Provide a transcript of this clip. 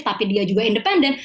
tapi dia juga independen